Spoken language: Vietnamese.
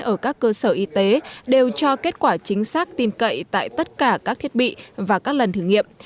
ở các cơ sở y tế đều cho kết quả chính xác tin cậy tại tất cả các thiết bị và các lần thử nghiệm